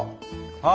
はい。